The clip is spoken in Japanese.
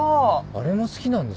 あれも好きなんですね。